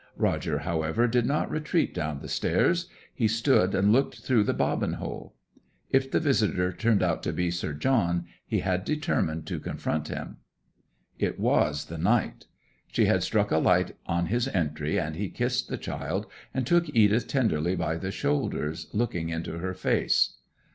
Roger, however, did not retreat down the stairs; he stood and looked through the bobbin hole. If the visitor turned out to be Sir John, he had determined to confront him. It was the knight. She had struck a light on his entry, and he kissed the child, and took Edith tenderly by the shoulders, looking into her face.